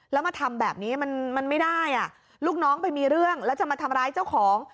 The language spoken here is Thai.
แล้วมาทำแบบนี้มันไม่ได้ลูกน้องไปมีเรื่องแล้วจะมาทำร้ายเจ้าของ